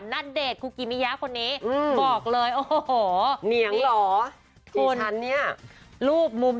นัดเดชคุกิมิยาคนนี้บอกเลยโอ้โหเนี่ยหรอที่ชั้นนี้รูปมุม